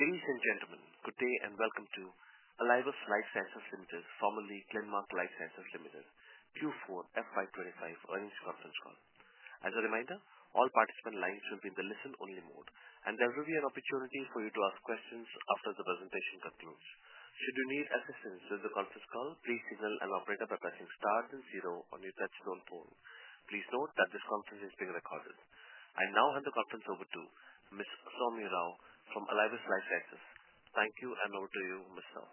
Ladies and gentlemen, good day and welcome to Alivus Life Sciences Limited, formerly Glenmark Life Sciences Limited, Q4 FY25 earnings conference call. As a reminder, all participant lines will be in the listen-only mode, and there will be an opportunity for you to ask questions after the presentation concludes. Should you need assistance with the conference call, please signal an operator by pressing star and zero on your touchstone phone. Please note that this conference is being recorded. I now hand the conference over to Ms. Soumi Rao from Alivus Life Sciences. Thank you, and over to you, Ms. Rao.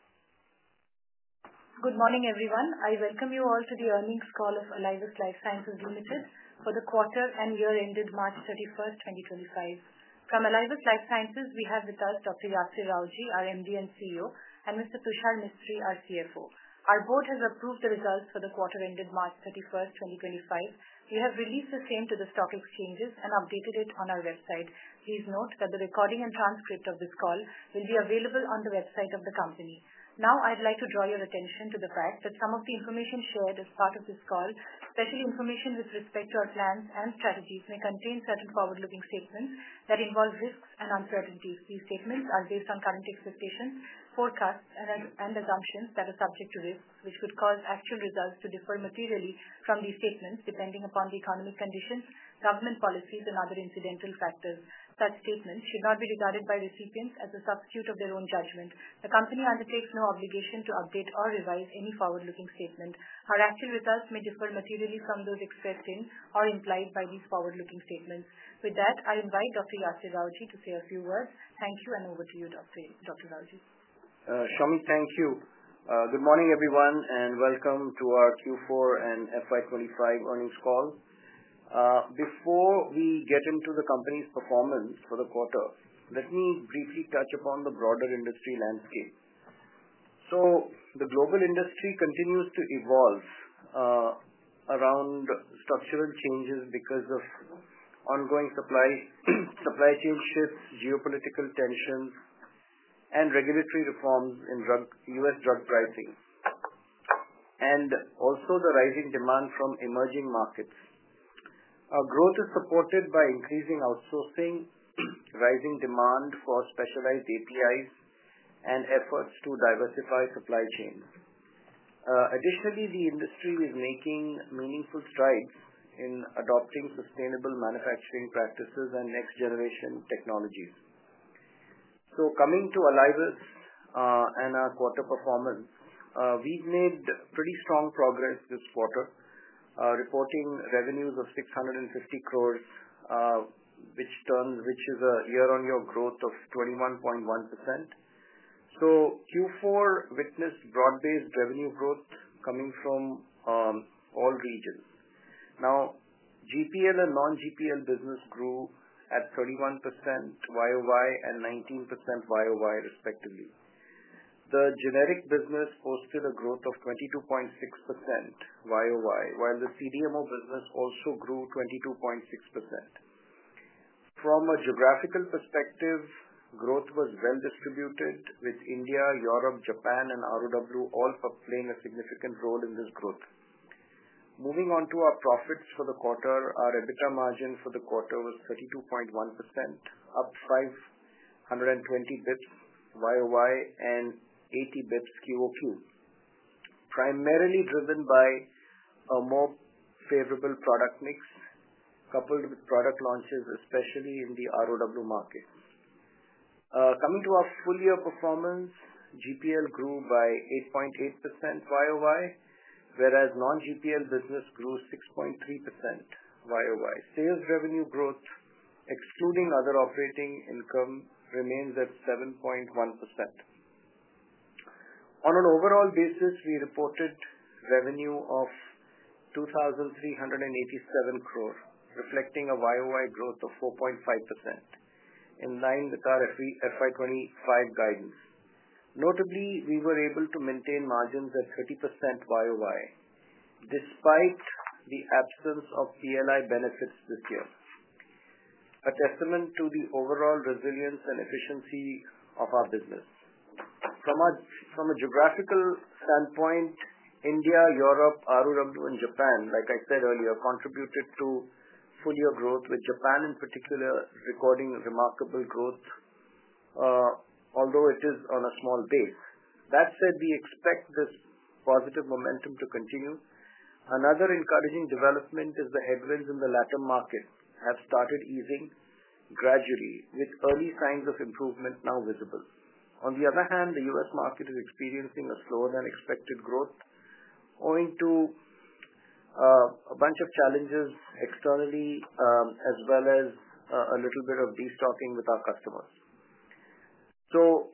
Good morning, everyone. I welcome you all to the earnings call of Alivus Life Sciences Limited for the quarter and year-ended March 31, 2025. From Alivus Life Sciences, we have with us Dr. Yasir Rawjee, our MD and CEO, and Mr. Tushar Mistry, our CFO. Our board has approved the results for the quarter-ended March 31, 2025. We have released the same to the stock exchanges and updated it on our website. Please note that the recording and transcript of this call will be available on the website of the company. Now, I'd like to draw your attention to the fact that some of the information shared as part of this call, especially information with respect to our plans and strategies, may contain certain forward-looking statements that involve risks and uncertainties. These statements are based on current expectations, forecasts, and assumptions that are subject to risks, which could cause actual results to differ materially from these statements depending upon the economic conditions, government policies, and other incidental factors. Such statements should not be regarded by recipients as a substitute of their own judgment. The company undertakes no obligation to update or revise any forward-looking statement. Our actual results may differ materially from those expressed in or implied by these forward-looking statements. With that, I invite Dr. Yasir Rawjee to say a few words. Thank you, and over to you, Dr. Rawjee. Soumi, thank you. Good morning, everyone, and welcome to our Q4 and FY2025 earnings call. Before we get into the company's performance for the quarter, let me briefly touch upon the broader industry landscape. The global industry continues to evolve around structural changes because of ongoing supply chain shifts, geopolitical tensions, and regulatory reforms in U.S. drug pricing, and also the rising demand from emerging markets. Our growth is supported by increasing outsourcing, rising demand for specialized APIs, and efforts to diversify supply chains. Additionally, the industry is making meaningful strides in adopting sustainable manufacturing practices and next-generation technologies. Coming to Alivus and our quarter performance, we've made pretty strong progress this quarter, reporting revenues of 650 crore, which is a year-on-year growth of 21.1%. Q4 witnessed broad-based revenue growth coming from all regions. Now, GPL and non-GPL business grew at 31% year-on-year and 19% year-on-year, respectively. The generic business posted a growth of 22.6% year over year, while the CDMO business also grew 22.6%. From a geographical perspective, growth was well-distributed, with India, Europe, Japan, and Rest of World all playing a significant role in this growth. Moving on to our profits for the quarter, our EBITDA margin for the quarter was 32.1%, up 520 basis points year over year and 80 basis points quarter over quarter, primarily driven by a more favorable product mix coupled with product launches, especially in the ROW market. Coming to our full-year performance, GPL grew by 8.8% year over year, whereas non-GPL business grew 6.3% year over year. Sales revenue growth, excluding other operating income, remains at 7.1%. On an overall basis, we reported revenue of 2,387 crore, reflecting a year over year growth of 4.5% in line with our fiscal year 2025 guidance. Notably, we were able to maintain margins at 30% year-over-year despite the absence of PLI benefits this year, a testament to the overall resilience and efficiency of our business. From a geographical standpoint, India, Europe, ROW, and Japan, like I said earlier, contributed to full-year growth, with Japan in particular recording remarkable growth, although it is on a small base. That said, we expect this positive momentum to continue. Another encouraging development is the headwinds in the latter market have started easing gradually, with early signs of improvement now visible. On the other hand, the U.S. market is experiencing a slower-than-expected growth owing to a bunch of challenges externally, as well as a little bit of destocking with our customers.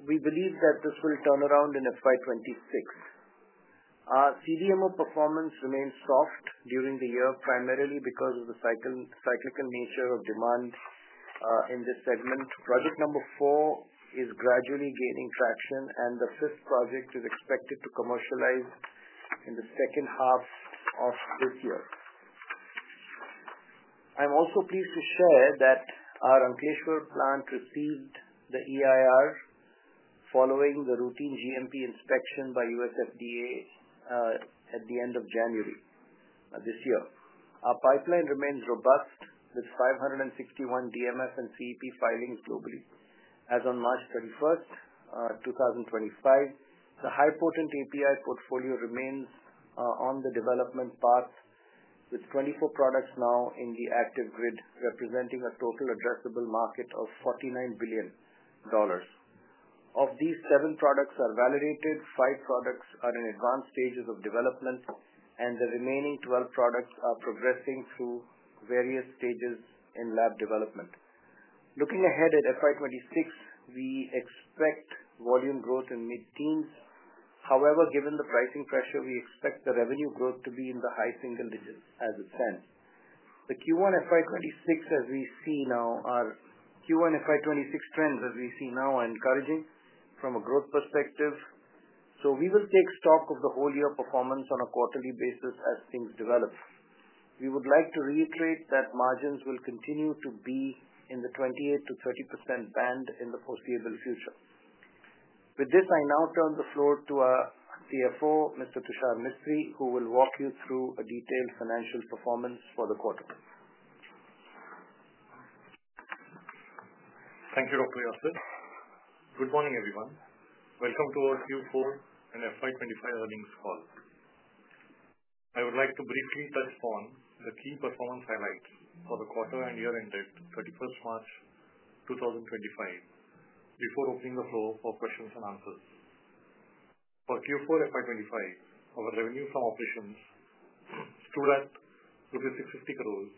We believe that this will turn around in FY2026. Our CDMO performance remained soft during the year, primarily because of the cyclical nature of demand in this segment. Project number four is gradually gaining traction, and the fifth project is expected to commercialize in the second half of this year. I'm also pleased to share that our Ankleshwar plant received the EIR following the routine GMP inspection by USFDA at the end of January this year. Our pipeline remains robust, with 561 DMF and CEP filings globally. As on March 31st 2025, the high-potent API portfolio remains on the development path, with 24 products now in the active grid, representing a total addressable market of $49 billion. Of these, seven products are validated, five products are in advanced stages of development, and the remaining 12 products are progressing through various stages in lab development. Looking ahead at FY2026, we expect volume growth in mid-teens. However, given the pricing pressure, we expect the revenue growth to be in the high single digits as it stands. The Q1 FY2026 trends, as we see now, are encouraging from a growth perspective. We will take stock of the whole-year performance on a quarterly basis as things develop. We would like to reiterate that margins will continue to be in the 28%-30% band in the foreseeable future. With this, I now turn the floor to our CFO, Mr. Tushar Mistry, who will walk you through a detailed financial performance for the quarter. Thank you all for your attention. Good morning, everyone. Welcome to our Q4 and FY2025 earnings call. I would like to briefly touch upon the key performance highlights for the quarter and year-ended 31 March 2025 before opening the floor for questions and answers. For Q4 FY2025, our revenue from operations stood at 650 crore,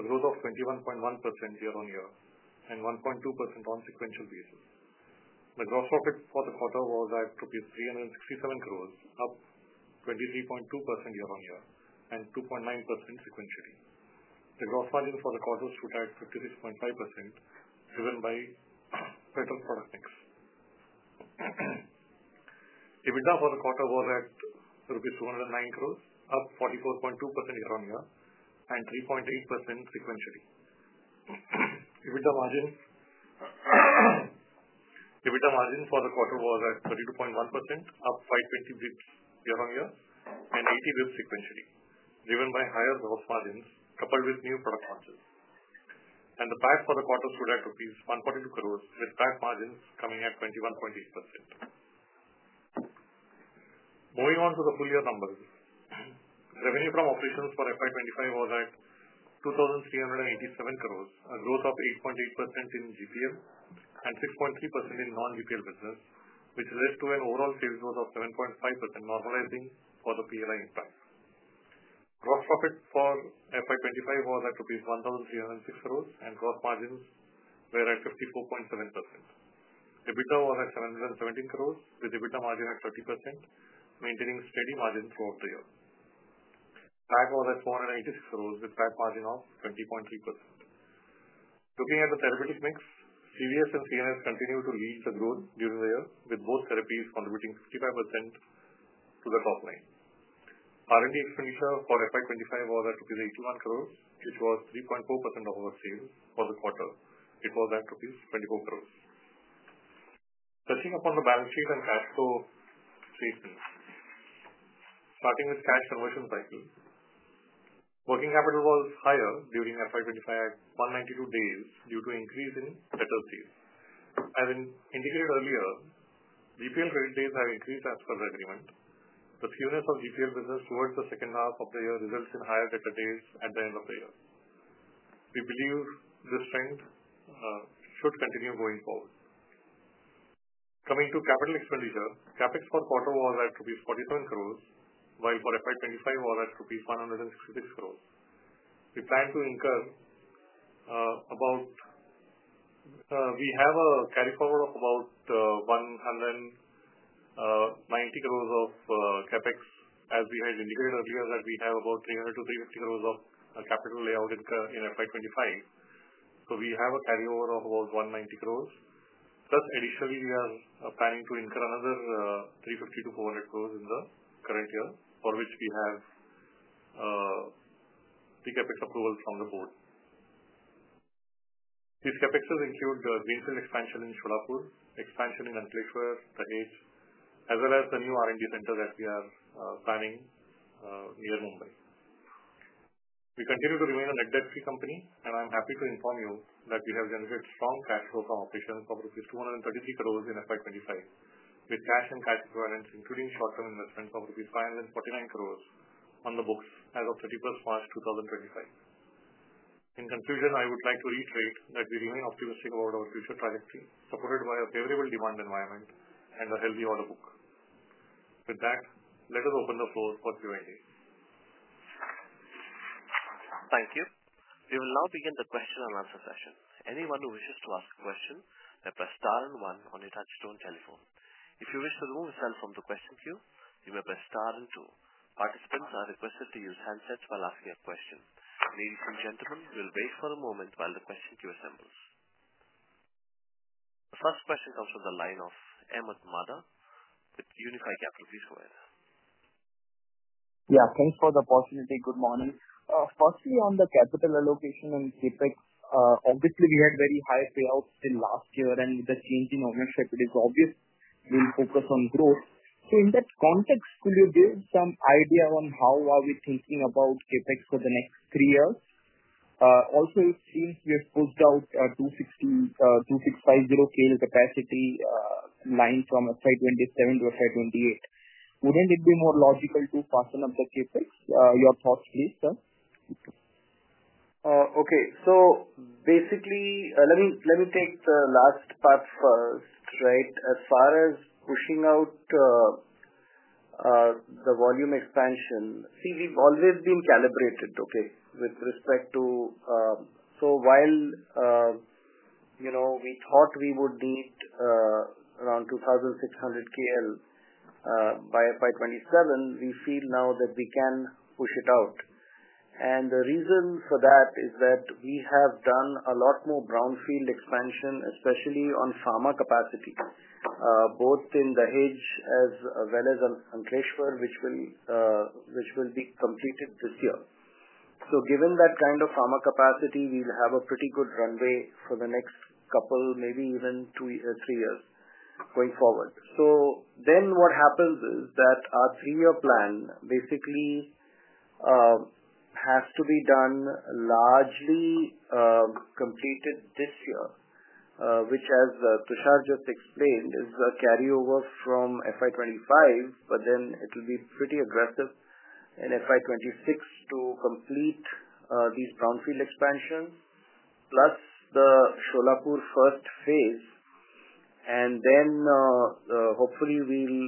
a growth of 21.1% year-on-year and 1.2% on a sequential basis. The gross profit for the quarter was at INR 367 crore, up 23.2% year-on-year and 2.9% sequentially. The gross margin for the quarter stood at 56.5%, driven by better product mix. EBITDA for the quarter was at 209 crore rupees, up 44.2% year-on-year and 3.8% sequentially. EBITDA margin for the quarter was at 32.1%, up 520 basis points year-on-year and 80 basis points sequentially, driven by higher gross margins coupled with new product launches. The PAC for the quarter stood at 142 crore, with PAC margins coming at 21.8%. Moving on to the full-year numbers, revenue from operations for FY 2025 was at INR 2,387 crore, a growth of 8.8% in GPL and 6.3% in non-GPL business, which led to an overall sales growth of 7.5%, normalizing for the PLI impact. Gross profit for FY 2025 was at 1,306 crore, and gross margins were at 54.7%. EBITDA was at 717 crore, with EBITDA margin at 30%, maintaining steady margin throughout the year. PAC was at 486 crore, with PAC margin of 20.3%. Looking at the therapeutic mix, CVS and CNS continued to lead the growth during the year, with both therapies contributing 55% to the top line. R&D expenditure for FY 2025 was at INR 81 crore, which was 3.4% of our sales for the quarter. It was at 24 crore. Touching upon the balance sheet and cash flow statement, starting with cash conversion cycle, working capital was higher during FY 2025 at 192 days due to increase in letter fees. As indicated earlier, GPL credit days have increased as per the agreement. The skewness of GPL business towards the second half of the year results in higher letter days at the end of the year. We believe this trend should continue going forward. Coming to capital expenditure, for the quarter was at 47 crore, while for FY 2025 was at rupees 166 crore. We plan to incur about we have a carry forward of about 190 crore of CapEx, as we had indicated earlier, that we have about 300-350 crore of capital layout in FY 2025. So we have a carryover of about 190 crore. Plus, additionally, we are planning to incur another 350 crore-400 crore in the current year, for which we have the CapEx approval from the board. These CapEx include the greenfield expansion in Solapur, expansion in Ankleshwar, the H, as well as the new R&D center that we are planning near Mumbai. We continue to remain a net debt-free company, and I'm happy to inform you that we have generated strong cash flow from operations of rupees 233 crore in FY 2025, with cash and cash equivalents, including short-term investments of rupees 549 crore, on the books as of 31st March 2025. In conclusion, I would like to reiterate that we remain optimistic about our future trajectory, supported by a favorable demand environment and a healthy order book. With that, let us open the floor for Q&A. Thank you. We will now begin the question and answer session. Anyone who wishes to ask a question may press Star and 1 on your touchstone telephone. If you wish to remove yourself from the question queue, you may press Star and 2. Participants are requested to use handsets while asking a question. Ladies and gentlemen, we'll wait for a moment while the question queue assembles. The first question comes from the line of Ahmed Mada, with Unified Capital, please go ahead. Yeah, thanks for the opportunity. Good morning. Firstly, on the capital allocation and CapEx, obviously, we had very high payouts till last year, and with the change in ownership, it is obvious we'll focus on growth. In that context, could you give some idea on how are we thinking about CapEx for the next three years? Also, it seems we have pulled out 2,650 KL capacity line from FY2027 to FY2028. Wouldn't it be more logical to fasten up the CapEx? Your thoughts, please, sir. Okay. So basically, let me take the last part first, right? As far as pushing out the volume expansion, see, we've always been calibrated, okay, with respect to so while we thought we would need around 2,600 KL by FY2027, we feel now that we can push it out. The reason for that is that we have done a lot more brownfield expansion, especially on pharma capacity, both in the H as well as Ankleshwar, which will be completed this year. Given that kind of pharma capacity, we'll have a pretty good runway for the next couple, maybe even three years going forward. So then what happens is that our three-year plan basically has to be done largely completed this year, which, as Tushar just explained, is the carryover from FY2025, but then it'll be pretty aggressive in FY2026 to complete these brownfield expansions, plus the Solapur first phase, and then hopefully we'll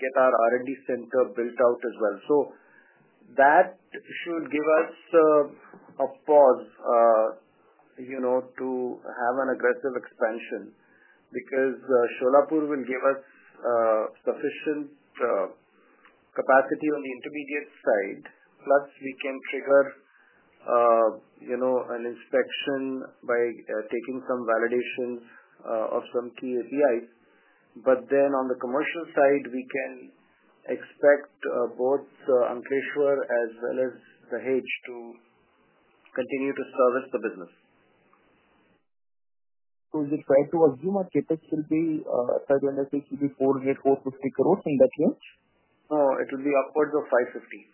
get our R&D center built out as well. That should give us a pause to have an aggressive expansion because Solapur will give us sufficient capacity on the intermediate side, plus we can trigger an inspection by taking some validations of some key APIs. On the commercial side, we can expect both Ankleshwar as well as the Dahej to continue to service the business. If we try to assume our CapEx will be at 560 crore, it will be 400-450 crore in that range? No, it will be upwards of 550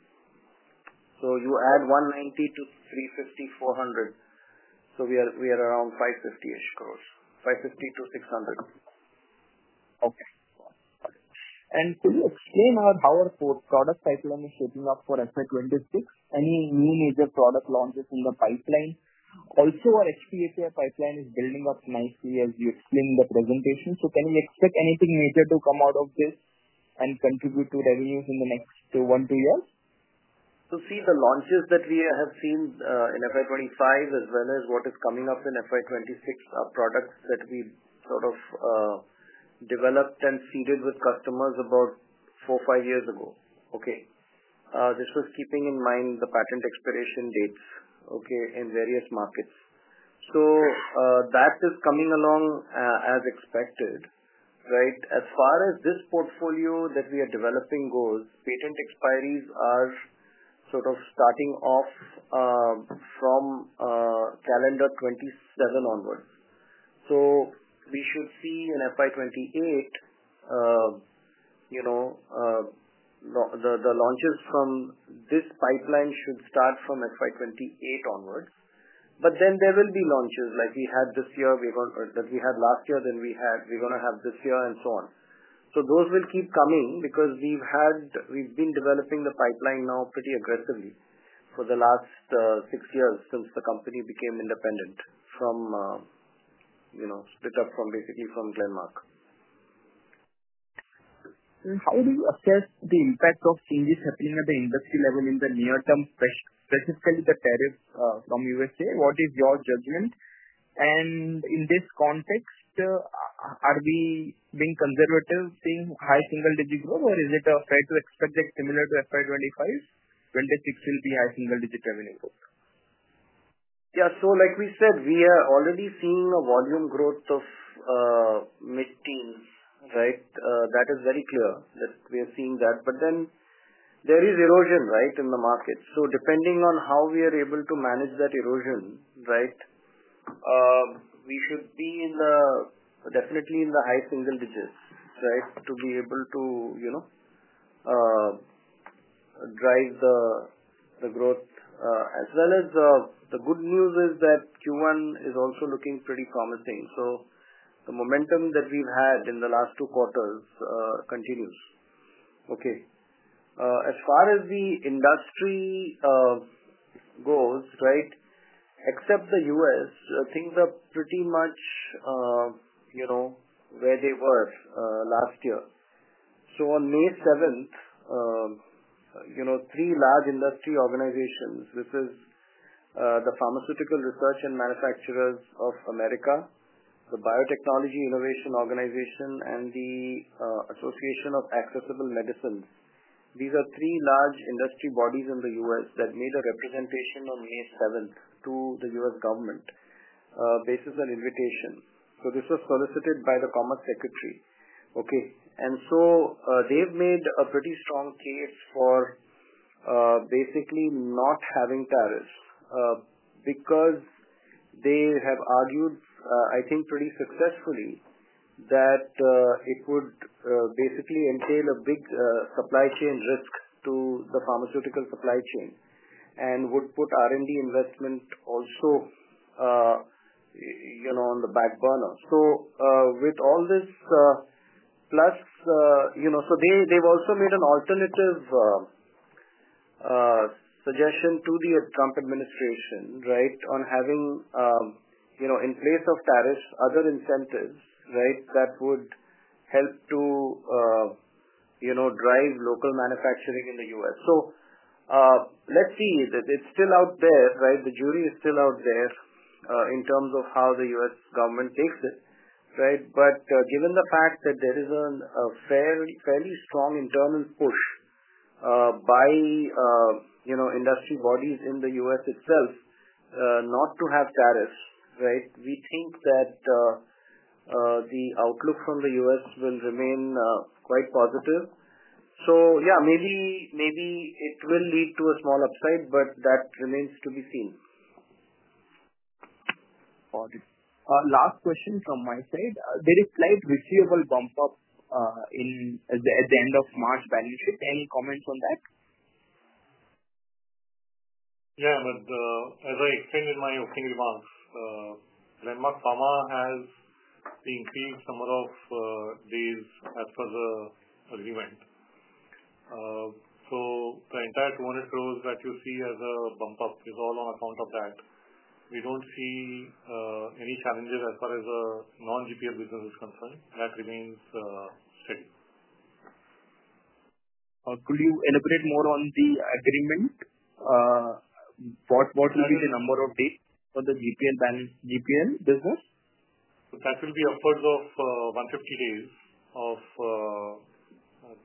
crore. You add 190 to 350, 400. We are around 550 crore-ish, 550- 600. Okay. Got it. Could you explain how our product pipeline is shaping up for FY 2026? Any new major product launches in the pipeline? Also, our HPA pipeline is building up nicely, as you explained in the presentation. Can we expect anything major to come out of this and contribute to revenues in the next one to two years? See, the launches that we have seen in FY 2025 as well as what is coming up in FY 2026 are products that we sort of developed and seeded with customers about four, five years ago. Okay. This was keeping in mind the patent expiration dates, okay, in various markets. That is coming along as expected, right? As far as this portfolio that we are developing goes, patent expiries are sort of starting off from calendar 2027 onward. We should see in FY 2028, the launches from this pipeline should start from FY 2028 onward. There will be launches like we had this year, that we had last year, then we had, we are going to have this year, and so on. Those will keep coming because we've been developing the pipeline now pretty aggressively for the last six years since the company became independent from split up from basically from Glenmark. How do you assess the impact of changes happening at the industry level in the near term, specifically the tariff from the U.S.? What is your judgment? In this context, are we being conservative, seeing high single-digit growth, or is it fair to expect that similar to FY 2025, 2026 will be high single-digit revenue growth? Yeah. Like we said, we are already seeing a volume growth of mid-teens, right? That is very clear that we are seeing that. There is erosion, right, in the market. Depending on how we are able to manage that erosion, right, we should be definitely in the high single digits, right, to be able to drive the growth. The good news is that Q1 is also looking pretty promising. The momentum that we've had in the last two quarters continues. Okay. As far as the industry goes, right, except the U.S., things are pretty much where they were last year. On May 7th, three large industry organizations, this is the Pharmaceutical Research and Manufacturers of America, the Biotechnology Innovation Organization, and the Association of Accessible Medicines, these are three large industry bodies in the U.S. that made a representation on May 7th to the U.S. government based on invitation. This was solicited by the Commerce Secretary. Okay. They have made a pretty strong case for basically not having tariffs because they have argued, I think, pretty successfully that it would basically entail a big supply chain risk to the pharmaceutical supply chain and would put R&D investment also on the back burner. With all this, plus they have also made an alternative suggestion to the Trump administration, right, on having in place of tariffs, other incentives, right, that would help to drive local manufacturing in the U.S. Let's see, it's still out there, right? The jury is still out there in terms of how the U.S. government takes it, right? But given the fact that there is a fairly strong internal push by industry bodies in the U.S. itself not to have tariffs, right, we think that the outlook from the U.S. will remain quite positive. Yeah, maybe it will lead to a small upside, but that remains to be seen. Got it. Last question from my side. There is slight receivable bump up at the end of March balance sheet. Any comments on that? Yeah. As I explained in my opening remarks, Glenmark Pharma has increased some of these as per the agreement. So the entire 200 crore that you see as a bump up is all on account of that. We do not see any challenges as far as non-GPL business is concerned. That remains steady. Could you elaborate more on the agreement? What will be the number of days for the GPL business? That will be upwards of 150 days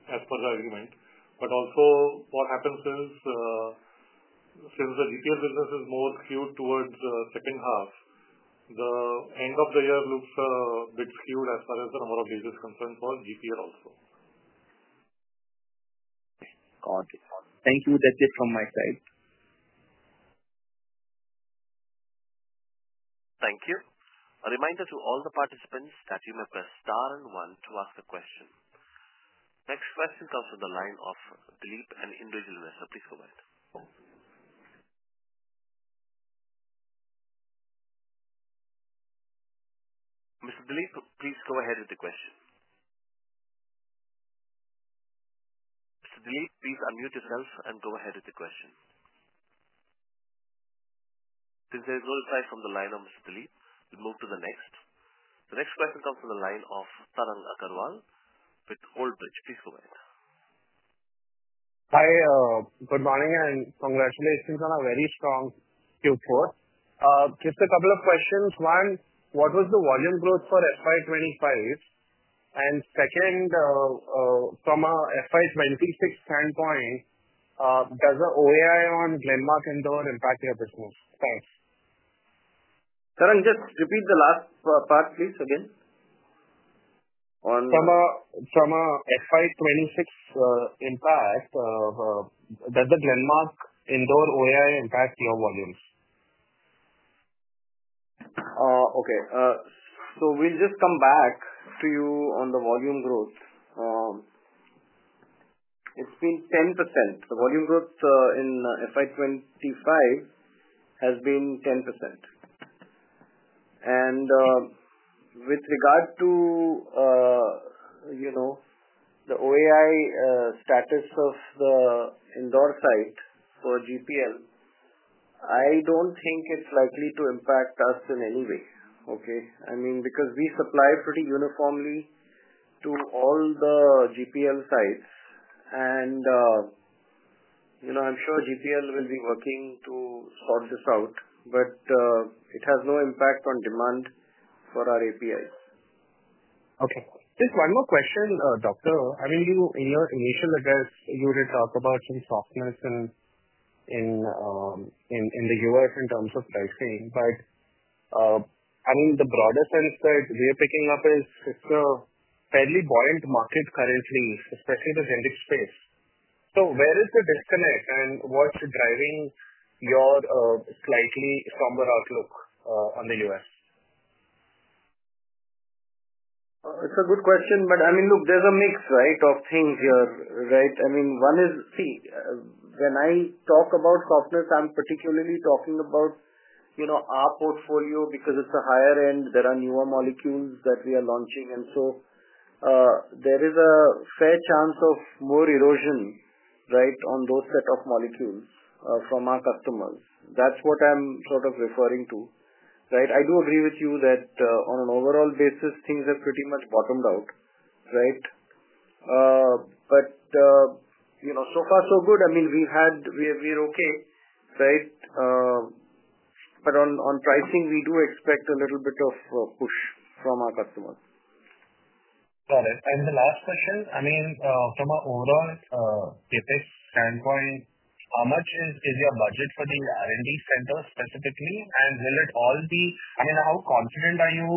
as per the agreement. Also, what happens is since the GPL business is more skewed towards the second half, the end of the year looks a bit skewed as far as the number of days is concerned for GPL also. Got it. Thank you. That's it from my side. Thank you. A reminder to all the participants that you may press Star and 1 to ask a question. Next question comes from the line of Dileep and Indra Jelunesha. Please go ahead. Mr. Dileep, please go ahead with the question. Mr. Dileep, please unmute yourself and go ahead with the question. Since there is no reply from the line of Mr. Dileep, we'll move to the next. The next question comes from the line of Tarang Agrawal with Oldbridge. Please go ahead. Hi. Good morning and congratulations on a very strong Q4. Just a couple of questions. One, what was the volume growth for FY2025? And second, from an FY2026 standpoint, does the OAI on Glenmark Indoor impact your business? Thanks. Tarang, just repeat the last part, please, again. From an FY2026 impact, does the Glenmark indoor OAI impact your volumes? Okay. So we'll just come back to you on the volume growth. It's been 10%. The volume growth in FY2025 has been 10%. And with regard to the OAI status of the indoor site for GPL, I don't think it's likely to impact us in any way, okay? I mean, because we supply pretty uniformly to all the GPL sites, and I'm sure GPL will be working to sort this out, but it has no impact on demand for our APIs. Okay. Just one more question, Doctor. I mean, in your initial address, you did talk about some softness in the U.S. in terms of pricing, but I mean, the broader sense that we are picking up is it's a fairly buoyant market currently, especially the Zendik space. Where is the disconnect and what's driving your slightly somber outlook on the U.S.? It's a good question, but I mean, look, there's a mix, right, of things here, right? I mean, one is, see, when I talk about softness, I'm particularly talking about our portfolio because it's a higher end. There are newer molecules that we are launching, and so there is a fair chance of more erosion, right, on those set of molecules from our customers. That's what I'm sort of referring to, right? I do agree with you that on an overall basis, things have pretty much bottomed out, right? So far, so good. I mean, we're okay, right? On pricing, we do expect a little bit of push from our customers. Got it. The last question, I mean, from an overall CapEx standpoint, how much is your budget for the R&D center specifically, and will it all be, I mean, how confident are you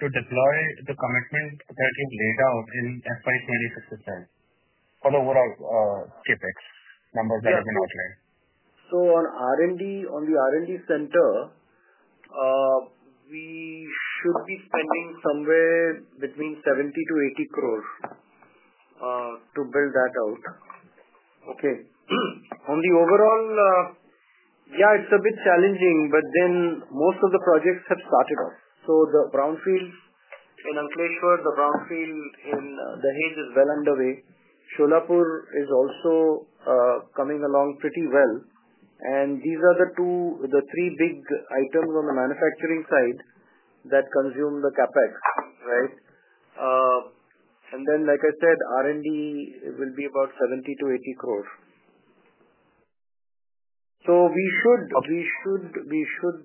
to deploy the commitment that you've laid out in FY 2026? For the overall CapEx numbers that have been outlined. On the R&D center, we should be spending somewhere between 70-80 crore to build that out. Okay. On the overall, yeah, it's a bit challenging, but then most of the projects have started up. The brownfields in Ankleshwar, the brownfield in Dahej is well underway. Solapur is also coming along pretty well. These are the three big items on the manufacturing side that consume the CapEx, right? Like I said, R&D will be about 70-80 crore. We should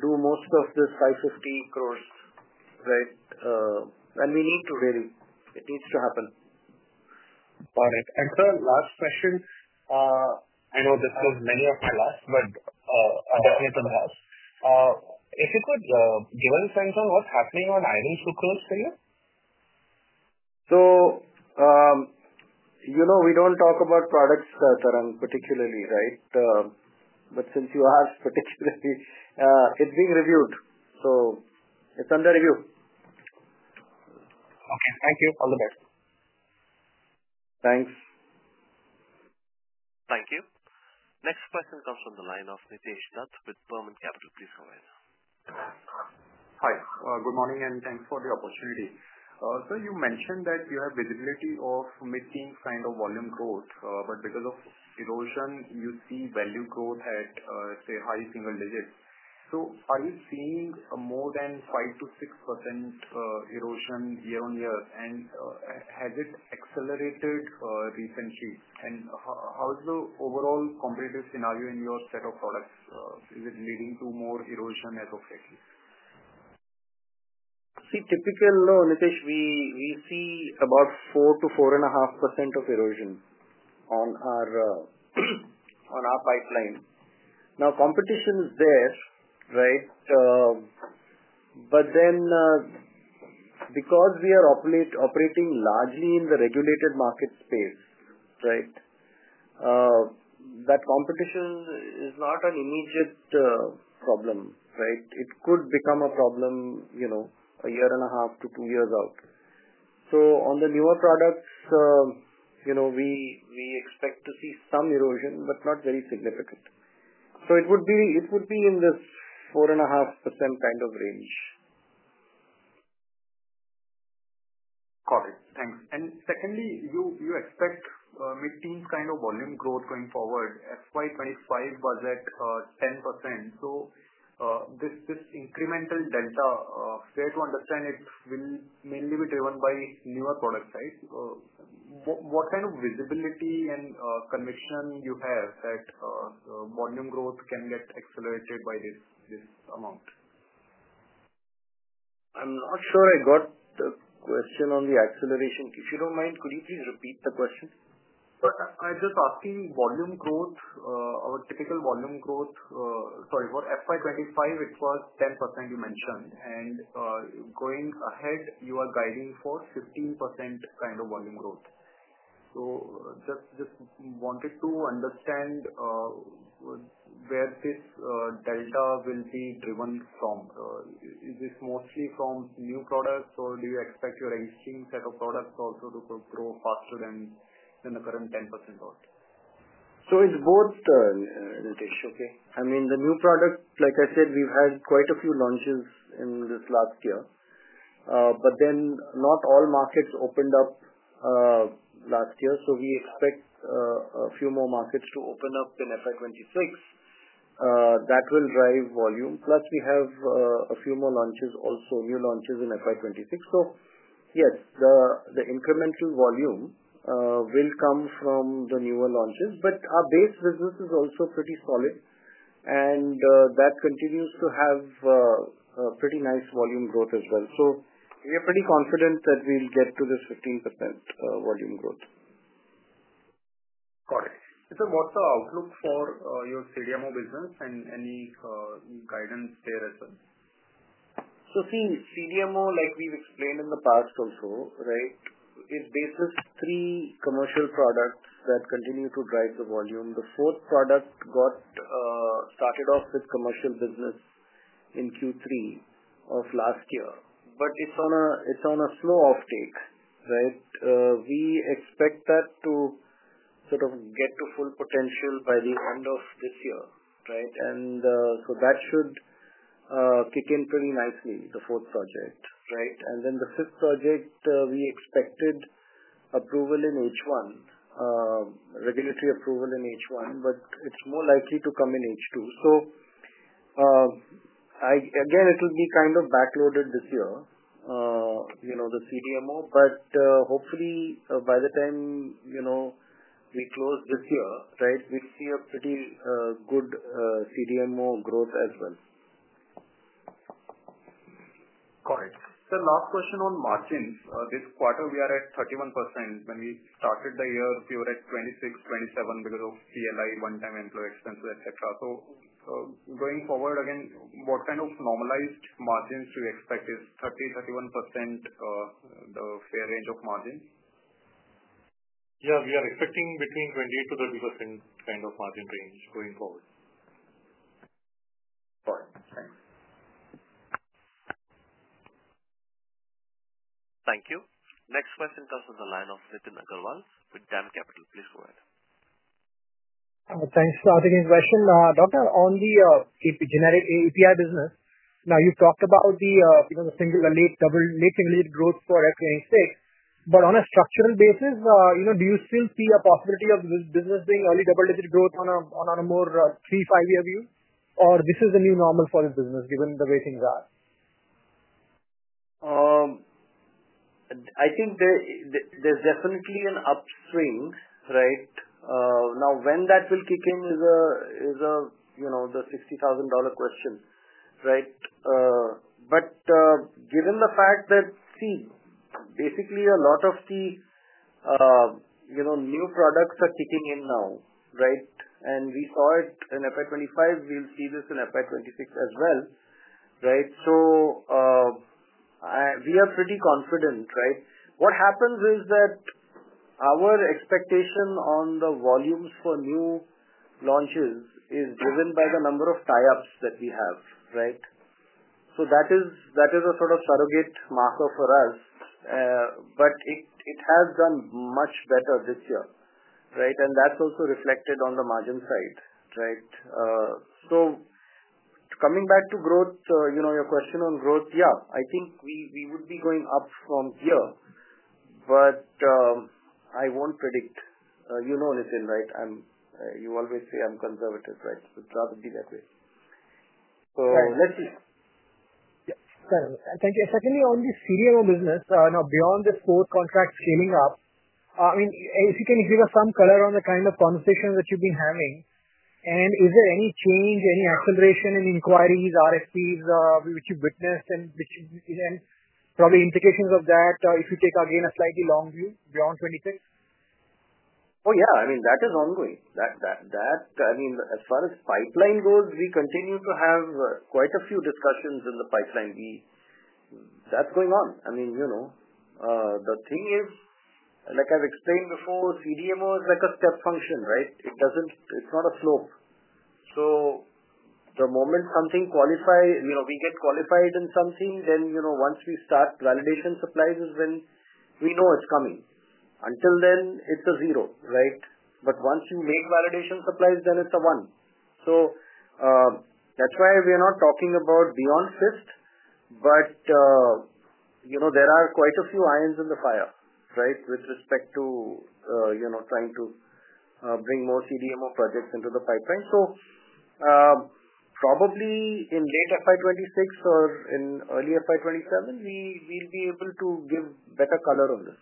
do most of the 550 crore, right? We need to really. It needs to happen. Got it. Sir, last question. I know this is many of my last, but I definitely have some doubts. If you could give us a sense on what's happening on Iron sucrose for you? We do not talk about products, Tarang, particularly, right? But since you asked particularly, it is being reviewed. It is under review. Okay. Thank you. All the best. Thanks. Thank you. Next question comes from the line of Nitesh Dutt with Burman Capital. Please go ahead. Hi. Good morning and thanks for the opportunity. You mentioned that you have visibility of mid-teens kind of volume growth, but because of erosion, you see value growth at, say, high single digits. Are you seeing more than 5%-6% erosion year on year? Has it accelerated recently? How is the overall competitive scenario in your set of products? Is it leading to more erosion as of lately? See, typically, Nitesh, we see about 4%-4.5% of erosion on our pipeline. Now, competition is there, right? But then because we are operating largely in the regulated market space, right, that competition is not an immediate problem, right? It could become a problem a year and a half to two years out. On the newer products, we expect to see some erosion, but not very significant. It would be in this 4.5% kind of range. Got it. Thanks. Secondly, you expect mid-teens kind of volume growth going forward. FY 2025 was at 10%. This incremental delta, fair to understand, it will mainly be driven by newer products, right? What kind of visibility and conviction do you have that volume growth can get accelerated by this amount? I'm not sure I got the question on the acceleration. If you don't mind, could you please repeat the question? I'm just asking volume growth or typical volume growth. Sorry. For FY 2025, it was 10% you mentioned. Going ahead, you are guiding for 15% kind of volume growth. I just wanted to understand where this delta will be driven from. Is this mostly from new products, or do you expect your existing set of products also to grow faster than the current 10%? It is both, Nitesh. Okay? I mean, the new product, like I said, we have had quite a few launches in this last year, but then not all markets opened up last year. We expect a few more markets to open up in FY 2026. That will drive volume. Plus, we have a few more launches also, new launches in FY 2026. Yes, the incremental volume will come from the newer launches, but our base business is also pretty solid, and that continues to have pretty nice volume growth as well. We are pretty confident that we will get to this 15% volume growth. Got it. And sir, what's the outlook for your CDMO business and any guidance there as well? CDMO, like we've explained in the past also, right, is based on three commercial products that continue to drive the volume. The fourth product started off with commercial business in Q3 of last year, but it's on a slow offtake, right? We expect that to sort of get to full potential by the end of this year, right? That should kick in pretty nicely, the fourth project, right? The fifth project, we expected approval in H1, regulatory approval in H1, but it's more likely to come in H2. Again, it will be kind of backloaded this year, the CDMO, but hopefully by the time we close this year, right, we see a pretty good CDMO growth as well. Got it. The last question on margins. This quarter, we are at 31%. When we started the year, we were at 26%-27% because of PLI, one-time employee expenses, etc. Going forward, again, what kind of normalized margins do you expect? Is 30%-31% the fair range of margins? Yeah. We are expecting between 20-30% kind of margin range going forward. Got it. Thanks. Thank you. Next question comes from the line of Nitin Agarwal with DAM Capital. Please go ahead. Thanks for asking the question. Doctor, on the generic API business, now you've talked about the late single-digit growth for FY 2026, but on a structural basis, do you still see a possibility of this business being early double-digit growth on a more three, five-year view, or is this the new normal for the business given the way things are? I think there's definitely an upswing, right? Now, when that will kick in is the $60,000 question, right? But given the fact that, see, basically a lot of the new products are kicking in now, right? And we saw it in FY2025. We'll see this in FY2026 as well, right? So we are pretty confident, right? What happens is that our expectation on the volumes for new launches is driven by the number of tie-ups that we have, right? So that is a sort of surrogate marker for us, but it has done much better this year, right? And that's also reflected on the margin side, right? Coming back to growth, your question on growth, yeah, I think we would be going up from here, but I won't predict. You know Nitin, right? You always say I'm conservative, right? I'd rather be that way. Let's see. Thank you. Secondly, on the CDMO business, now beyond this fourth contract scaling up, I mean, if you can give us some color on the kind of conversation that you've been having, and is there any change, any acceleration in inquiries, RFPs which you've witnessed, and probably implications of that if you take again a slightly long view beyond 2026? Oh, yeah. I mean, that is ongoing. I mean, as far as pipeline goes, we continue to have quite a few discussions in the pipeline. That's going on. I mean, the thing is, like I've explained before, CDMO is like a step function, right? It's not a slope. The moment something qualifies, we get qualified in something, then once we start validation supplies is when we know it's coming. Until then, it's a zero, right? Once you make validation supplies, then it's a one. That's why we're not talking about beyond fifth, but there are quite a few irons in the fire, right, with respect to trying to bring more CDMO projects into the pipeline. Probably in late FY2026 or in early FY2027, we'll be able to give better color on this.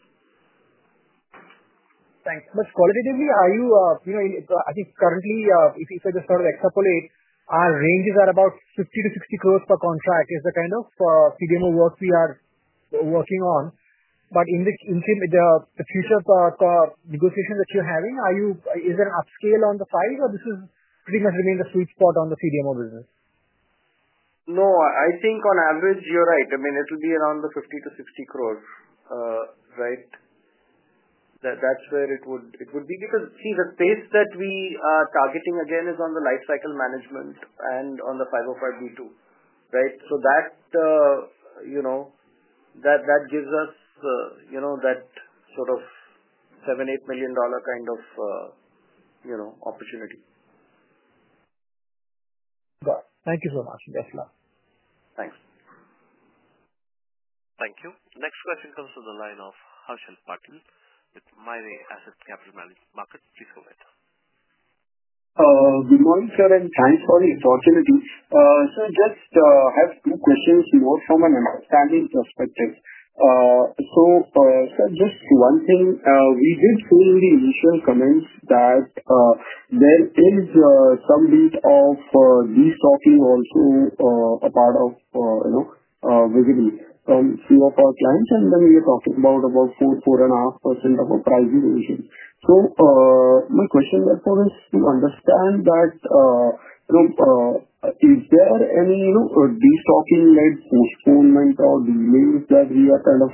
Thanks. Qualitatively, are you, I think currently, if you said just sort of extrapolate, our ranges are about 50 crore- 60 crore per contract is the kind of CDMO work we are working on. In the future negotiation that you're having, is there an upscale on the side, or this will pretty much remain the sweet spot on the CDMO business? No. I think on average, you're right. I mean, it'll be around the 50-60 crore, right? That's where it would be. Because see, the space that we are targeting again is on the lifecycle management and on the 505B2, right? So that gives us that sort of $7-8$ million kind of opportunity. Got it. Thank you so much, Doctor. Thanks. Thank you. Next question comes from the line of Harshal Patil with Mirae Asset Capital Market. Please go ahead. Good morning, sir, and thanks for the opportunity. Sir, just have two questions from an understanding perspective. Sir, just one thing. We did see in the initial comments that there is some bit of de-stocking also a part of visibility from a few of our clients, and then we are talking about about 4%-4.5% of a price deviation. My question therefore is to understand that, is there any de-stocking-led postponement or delays that we are kind of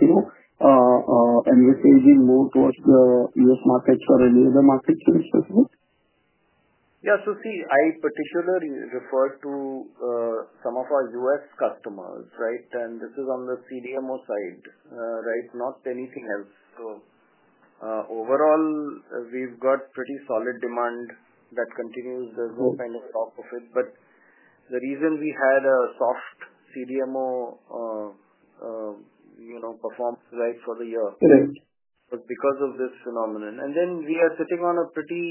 envisaging more towards the U.S. markets or any other markets in specific? Yeah. See, I particularly refer to some of our U.S. customers, right? This is on the CDMO side, not anything else. Overall, we've got pretty solid demand that continues. There's no kind of talk of it. The reason we had a soft CDMO performance for the year was because of this phenomenon. We are sitting on a pretty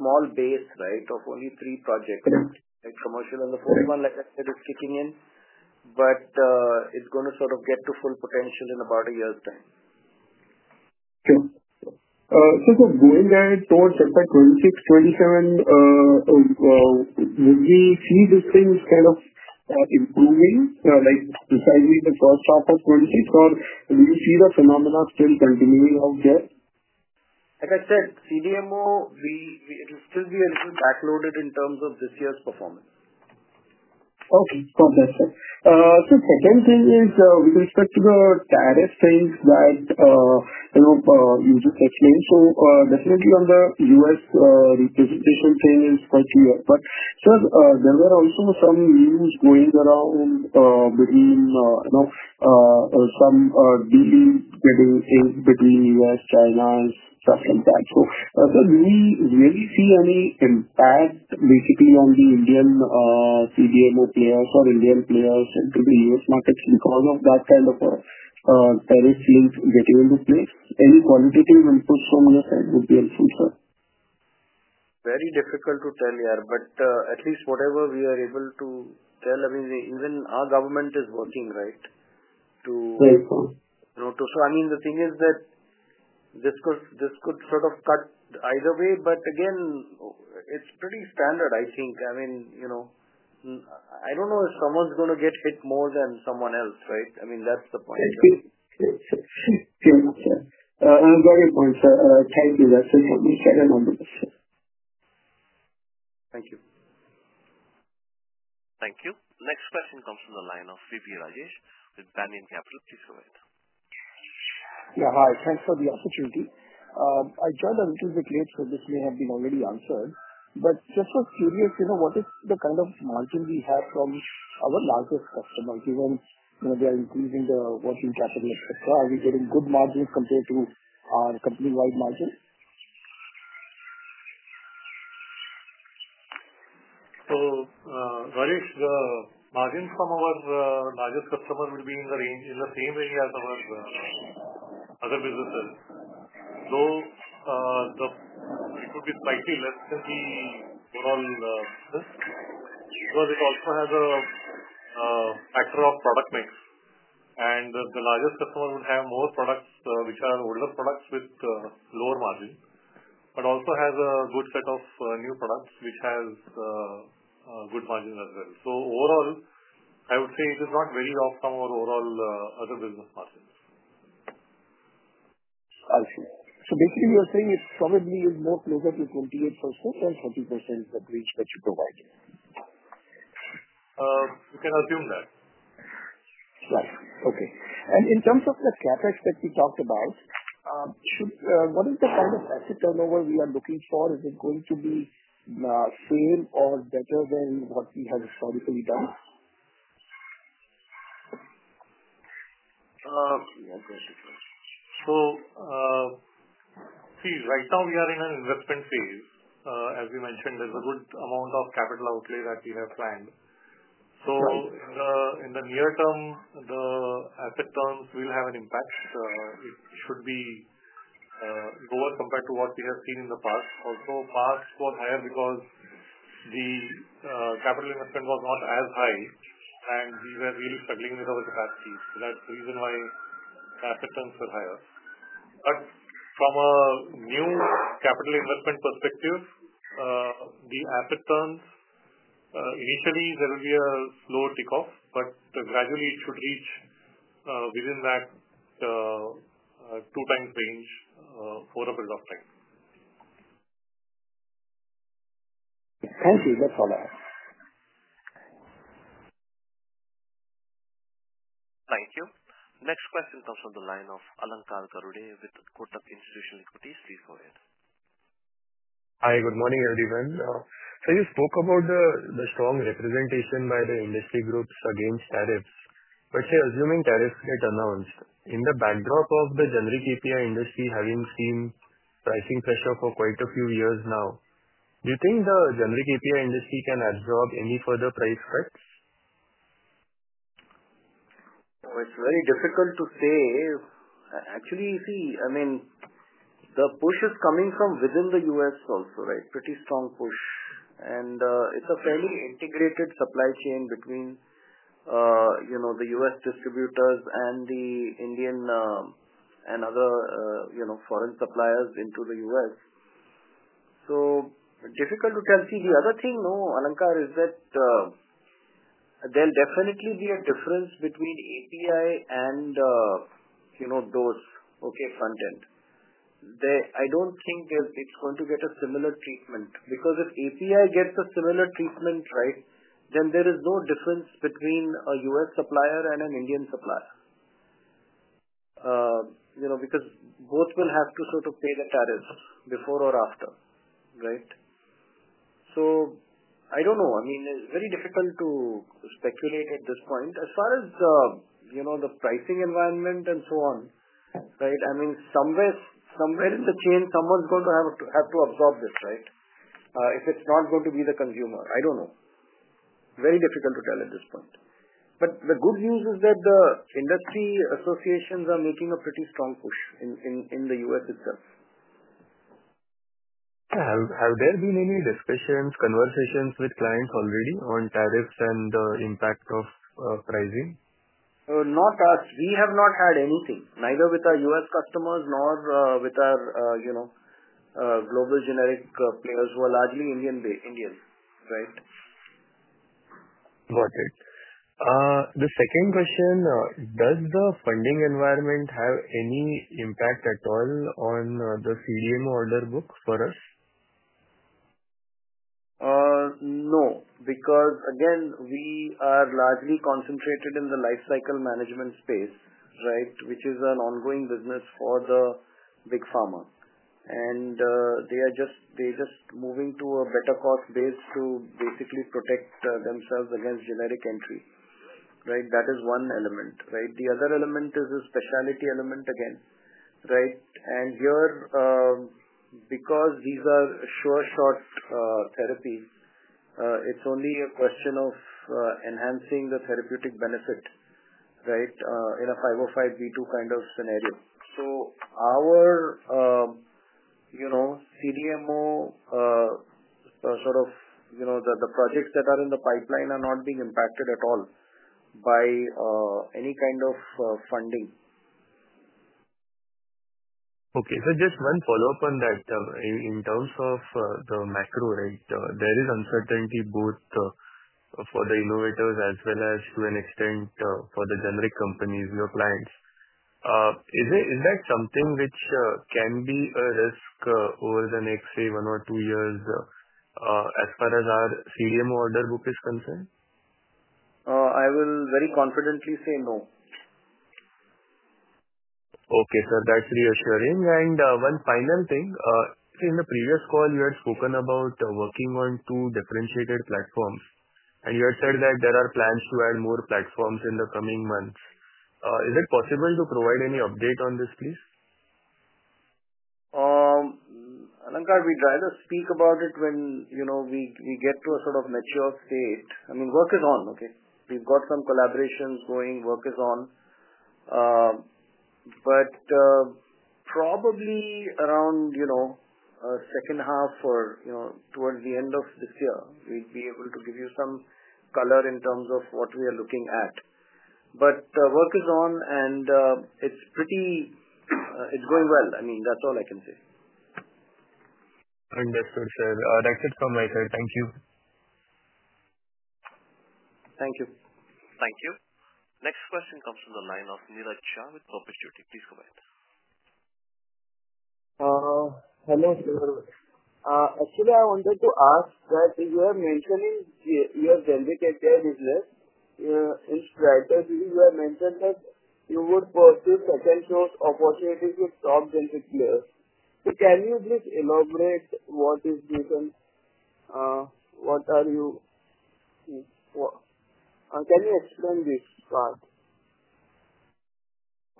small base of only three projects, like commercial. The fourth one, like I said, is kicking in, but it's going to sort of get to full potential in about a year's time. Sure. So sir, going ahead towards FY 2026, FY 2027, would we see these things kind of improving, like precisely the first half of 2026, or do you see the phenomena still continuing out there? Like I said, CDMO, it will still be a little backloaded in terms of this year's performance. Okay. Got that, sir. Second thing is with respect to the tariff things that you just explained. Definitely on the U.S. representation thing is quite clear. Sir, there were also some news going around between some dealings getting in between U.S., China, and stuff like that. Sir, do we really see any impact basically on the Indian CDMO players or Indian players into the U.S. markets because of that kind of a tariff link getting into place? Any qualitative inputs from your side would be helpful, sir. Very difficult to tell here, but at least whatever we are able to tell, I mean, even our government is working, right, to. Very strong. I mean, the thing is that this could sort of cut either way, but again, it's pretty standard, I think. I mean, I don't know if someone's going to get hit more than someone else, right? I mean, that's the point. Okay. Very important point, sir. Thank you. That's it from me. I don't have anything else, sir. Thank you. Thank you. Next question comes from the line of VP Rajesh with Damian Capital. Please go ahead. Yeah. Hi. Thanks for the opportunity. I joined a little bit late, so this may have been already answered, but just was curious, what is the kind of margin we have from our largest customers given they are increasing the working capital, etc.? Are we getting good margins compared to our company-wide margin? Rajesh, the margins from our largest customers will be in the same range as our other businesses. It will be slightly less than the overall business because it also has a factor of product mix, and the largest customer would have more products which are older products with lower margin, but also has a good set of new products which has good margin as well. Overall, I would say it is not very off from our overall other business margins. I see. So basically, you're saying it probably is more closer to 28% or 30% of the reach that you provide? You can assume that. Right. Okay. In terms of the CapEx that we talked about, what is the kind of asset turnover we are looking for? Is it going to be the same or better than what we have historically done? Right now we are in an investment phase. As you mentioned, there's a good amount of capital outlay that we have planned. In the near term, the asset terms will have an impact. It should be lower compared to what we have seen in the past. Although past was higher because the capital investment was not as high, and we were really struggling with our capacity. That's the reason why the asset terms were higher. From a new capital investment perspective, the asset terms initially, there will be a slow tick-off, but gradually it should reach within that two-times range for a period of time. Thank you. That's all I have. Thank you. Next question comes from the line of Alankar Garude with Kotak Institutional Equities. Please go ahead. Hi. Good morning, everyone. You spoke about the strong representation by the industry groups against tariffs. Assuming tariffs get announced, in the backdrop of the generic API industry having seen pricing pressure for quite a few years now, do you think the generic API industry can absorb any further price cuts? Oh, it's very difficult to say. Actually, see, I mean, the push is coming from within the U.S. also, right? Pretty strong push. And it's a fairly integrated supply chain between the U.S. distributors and the Indian and other foreign suppliers into the U.S. Difficult to tell. See, the other thing, Alamkar, is that there'll definitely be a difference between API and DOS, okay, front end. I don't think it's going to get a similar treatment because if API gets a similar treatment, right, then there is no difference between a U.S. supplier and an Indian supplier because both will have to sort of pay the tariffs before or after, right? I don't know. I mean, it's very difficult to speculate at this point. As far as the pricing environment and so on, right, I mean, somewhere in the chain, someone's going to have to absorb this, right, if it's not going to be the consumer. I don't know. Very difficult to tell at this point. The good news is that the industry associations are making a pretty strong push in the U.S. itself. Have there been any discussions, conversations with clients already on tariffs and the impact of pricing? Not us. We have not had anything, neither with our U.S. customers nor with our global generic players who are largely Indian, right? Got it. The second question, does the funding environment have any impact at all on the CDMO order book for us? No. Because again, we are largely concentrated in the lifecycle management space, right, which is an ongoing business for the big pharma. They are just moving to a better cost base to basically protect themselves against generic entry, right? That is one element, right? The other element is a specialty element again, right? Here, because these are sure-shot therapies, it's only a question of enhancing the therapeutic benefit, right, in a 505B2 kind of scenario. Our CDMO, sort of the projects that are in the pipeline, are not being impacted at all by any kind of funding. Okay. Just one follow-up on that. In terms of the macro, right, there is uncertainty both for the innovators as well as to an extent for the generic companies, your clients. Is that something which can be a risk over the next, say, one or two years as far as our CDMO order book is concerned? I will very confidently say no. Okay, sir. That's reassuring. One final thing. In the previous call, you had spoken about working on two differentiated platforms, and you had said that there are plans to add more platforms in the coming months. Is it possible to provide any update on this, please? Alamkar, we'd rather speak about it when we get to a sort of mature state. I mean, work is on, okay? We've got some collaborations going. Work is on. Probably around second half or towards the end of this year, we'd be able to give you some color in terms of what we are looking at. Work is on, and it's going well. I mean, that's all I can say. Understood, sir. That's it from my side. Thank you. Thank you. Thank you. Next question comes from the line of Neeraj Shah with Property Duty. Please go ahead. Hello, sir. Actually, I wanted to ask that you were mentioning your generic API business. In Strider, you had mentioned that you would pursue second-shot opportunities with top generic players. Can you just elaborate what is different? Can you explain this part?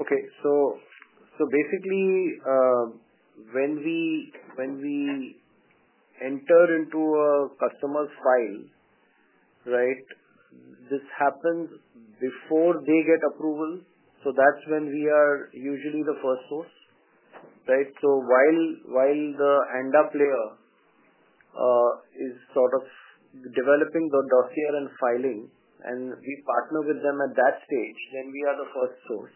Okay. So basically, when we enter into a customer's file, right, this happens before they get approval. That's when we are usually the first source, right? While the end-up layer is sort of developing the dossier and filing, and we partner with them at that stage, then we are the first source.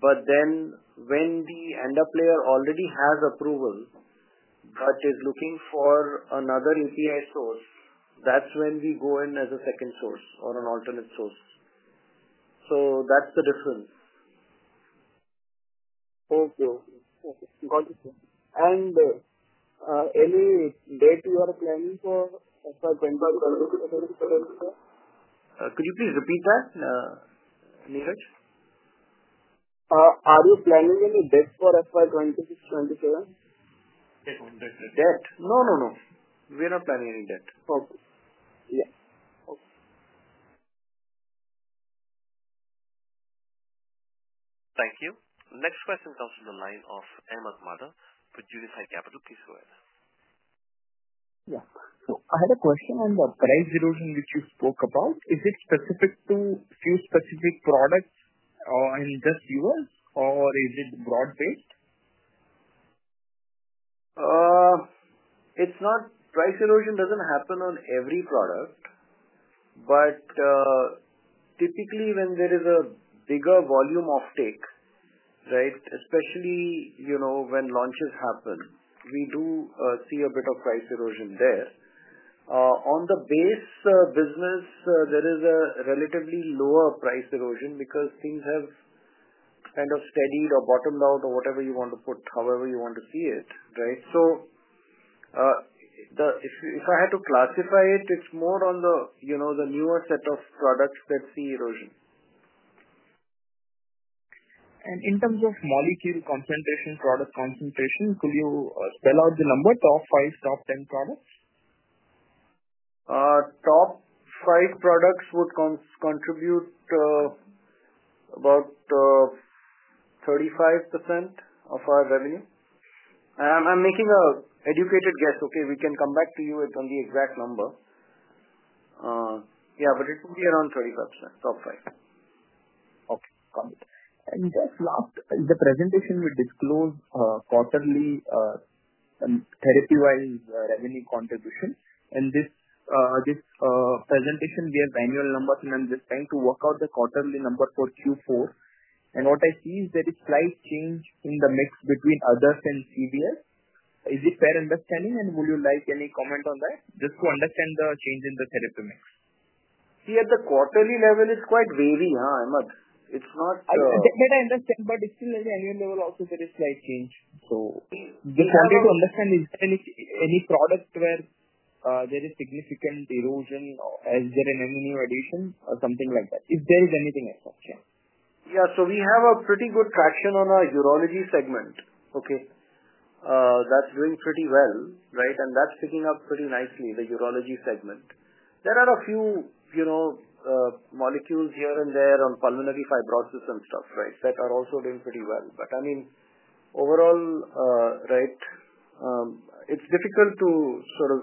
When the end-up layer already has approval but is looking for another API source, that's when we go in as a second source or an alternate source. That's the difference. Okay. Okay. Got it, sir. Any date you are planning for FY 2026, FY 2027, etc.? Could you please repeat that, Neeraj? Are you planning any debt for FY2026, FY2027? Debt? No, no, no. We are not planning any debt. Okay. Yeah. Okay. Thank you. Next question comes from the line of Ahmed Mada with Unified Capital. Please go ahead. Yeah. I had a question on the price erosion which you spoke about. Is it specific to a few specific products in just the U.S., or is it broad-based? It's not. Price erosion doesn't happen on every product. But typically, when there is a bigger volume offtake, right, especially when launches happen, we do see a bit of price erosion there. On the base business, there is a relatively lower price erosion because things have kind of steadied or bottomed out or whatever you want to put, however you want to see it, right? If I had to classify it, it's more on the newer set of products that see erosion. In terms of molecule concentration, product concentration, could you spell out the number, top five, top ten products? Top five products would contribute about 35% of our revenue. I'm making an educated guess, okay? We can come back to you on the exact number. Yeah, but it would be around 35%, top five. Okay. Got it. Just last, the presentation will disclose quarterly therapy-wise revenue contribution. In this presentation, we have annual numbers, and I'm just trying to work out the quarterly number for Q4. What I see is there is slight change in the mix between others and CVS. Is it fair understanding? Would you like any comment on that, just to understand the change in the therapy mix? See, at the quarterly level, it's quite wavy, huh, Ahmed? It's not. I didn't understand, but it's still at the annual level also, there is slight change. Just wanted to understand, is there any product where there is significant erosion? Is there an M&E addition or something like that? If there is anything else, yeah. Yeah. We have a pretty good traction on our urology segment, okay? That's doing pretty well, right? That's picking up pretty nicely, the urology segment. There are a few molecules here and there on pulmonary fibrosis and stuff, right, that are also doing pretty well. I mean, overall, right, it's difficult to sort of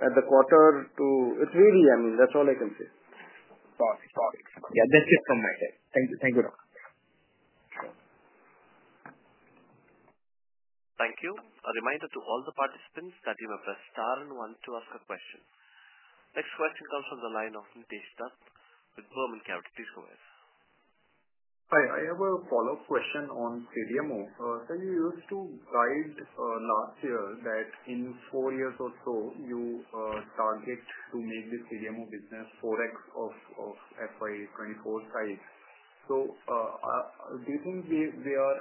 at the quarter to, it's wavy, I mean. That's all I can say. Got it. Got it. Yeah. That's it from my side. Thank you. Thank you, sir. Thank you. A reminder to all the participants that you have a star and want to ask a question. Next question comes from the line of Nitesh Dutt with Burman Capital. Please go ahead. Hi. I have a follow-up question on CDMO. You used to guide last year that in four years or so, you target to make the CDMO business 4X of FY24 size. Do you think we are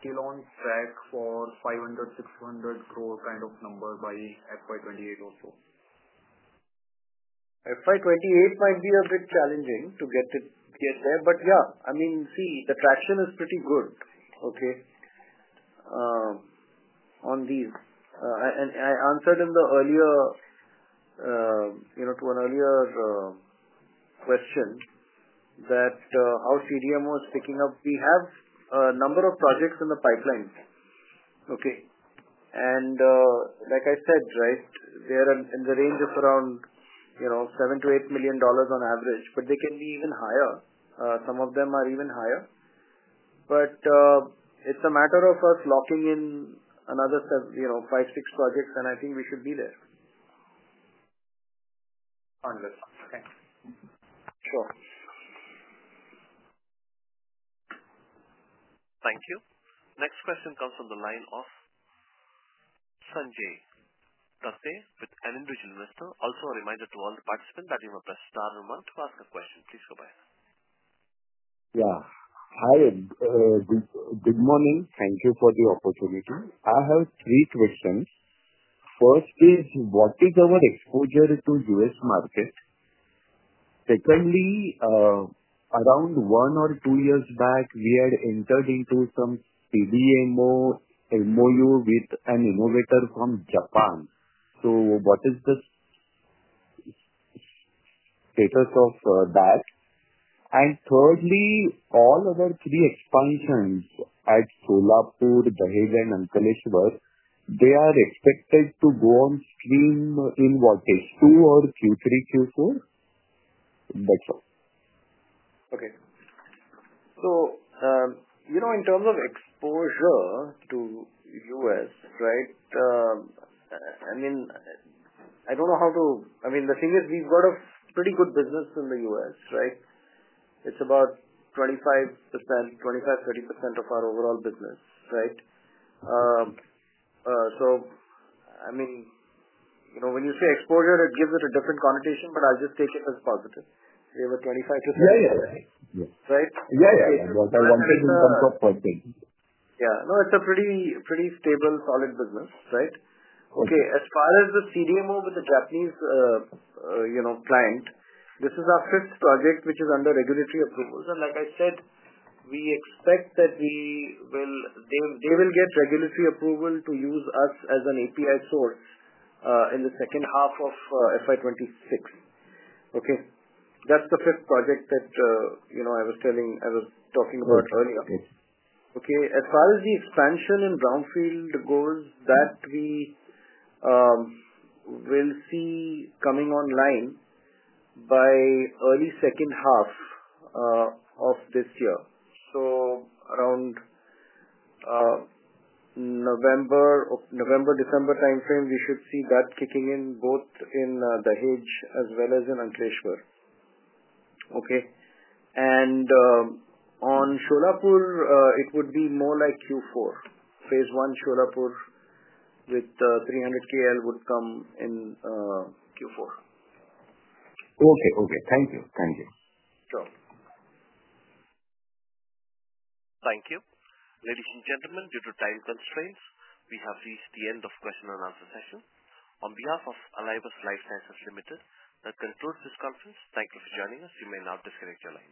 still on track for 500-600 growth kind of number by FY28 also? FY28 might be a bit challenging to get there. Yeah, I mean, see, the traction is pretty good, okay, on these. I answered earlier to an earlier question that how CDMO is picking up. We have a number of projects in the pipeline, okay? Like I said, right, they are in the range of around $7 million-$8 million on average, but they can be even higher. Some of them are even higher. It is a matter of us locking in another five, six projects, and I think we should be there. Understood. Thanks. Sure. Thank you. Next question comes from the line of Sanjay Prate with Anindra Jainvesto. Also a reminder to all the participants that you have a star and want to ask a question. Please go ahead. Yeah. Hi. Good morning. Thank you for the opportunity. I have three questions. First is, what is our exposure to U.S. market? Secondly, around one or two years back, we had entered into some CDMO MOU with an innovator from Japan. What is the status of that? Thirdly, all of our three expansions at Solapur, Dahej, and Ankleshwar, they are expected to go on stream in what, H2 or Q3, Q4? That's all. Okay. So in terms of exposure to U.S., right, I mean, I don't know how to, I mean, the thing is we've got a pretty good business in the U.S., right? It's about 25%, 25-30% of our overall business, right? I mean, when you say exposure, it gives it a different connotation, but I'll just take it as positive. We have a 25-30. Yeah, yeah, right. Right? Yeah, yeah. One question comes up, one question. Yeah. No, it's a pretty stable, solid business, right? Okay. As far as the CDMO with the Japanese client, this is our fifth project which is under regulatory approval. Like I said, we expect that they will get regulatory approval to use us as an API source in the second half of FY2026, okay? That's the fifth project that I was talking about earlier. Okay. As far as the expansion in brownfield goes, that we will see coming online by early second half of this year. Around November-December timeframe, we should see that kicking in both in Dahej as well as in Ankleshwar, okay? On Solapur, it would be more like Q4. Phase 1 Solapur with 300 KL would come in Q4. Okay. Thank you. Thank you. Sure. Thank you. Ladies and gentlemen, due to time constraints, we have reached the end of question and answer session. On behalf of Alivus Life Sciences Limited, that concludes this conference. Thank you for joining us. You may now disconnect your line.